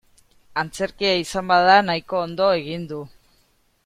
Antzerkia izan bada nahiko ondo egin du.